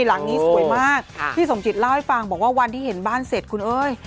หลังนี้สวยมากพี่สมจิตเล่าให้ฟังบอกว่าวันที่เห็นบ้านเสร็จคุณเอ้ย